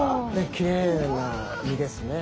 きれいな身ですね。